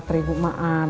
ugran danach ngapain